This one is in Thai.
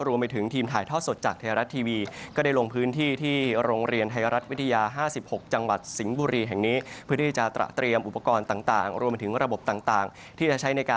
รวมไปถึงทีมถ่ายทอดสดจากไทยรัดทีวี